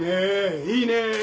いいねぇ。